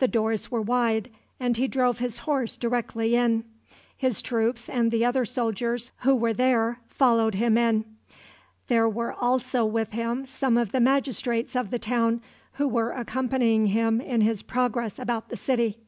The doors were wide, and he drove his horse directly in. His troops, and the other soldiers who were there, followed him in. There were also with him some of the magistrates of the town, who were accompanying him in his progress about the city.